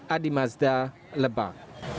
adi mazda lebak